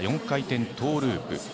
４回転トーループ。